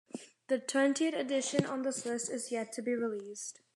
The twentieth addition on this list is yet to be released.